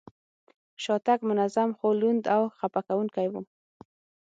شاتګ منظم، خو لوند او خپه کوونکی و.